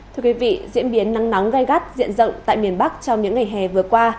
thưa quý vị diễn biến nắng nóng gai gắt diện rộng tại miền bắc trong những ngày hè vừa qua